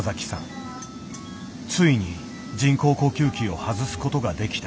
ついに人工呼吸器を外すことができた。